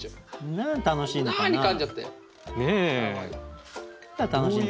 何楽しいのかな？